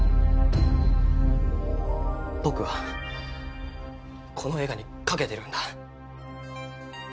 僕はこの映画にかけてるんだ。